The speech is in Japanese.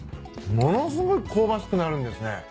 ものすごい香ばしくなるんですね